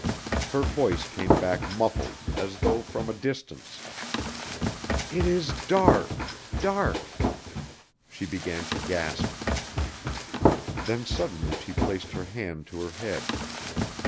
Her voice came back muffled as though from a distance. "It is dark dark." She began to gasp. Then suddenly she placed her hand to her head.